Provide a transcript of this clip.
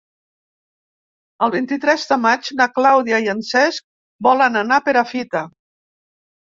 El vint-i-tres de maig na Clàudia i en Cesc volen anar a Perafita.